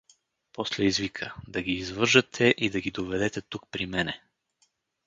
После извика: — Да ги извържете и да ги доведете тук при мене!